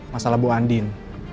masalah ibu andin